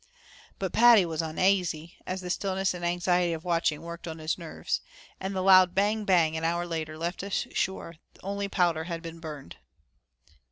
But Paddy was "onaisy" as the stillness and anxiety of watching worked on his nerves. And the loud bang! bang! an hour later left us sure only that powder had been burned.